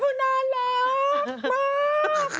น้ำหลาดมาก